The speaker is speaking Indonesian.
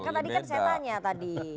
kan tadi kan saya tanya tadi